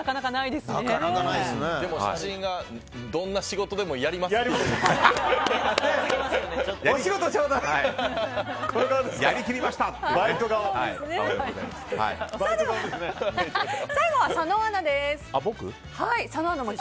でも写真が、どんな仕事でもやりますっていう。